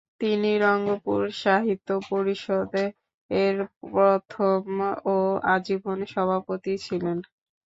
তিনি রঙ্গপুর সাহিত্য পরিষদ এর প্রথম ও আজীবন সভাপতি ছিলেন।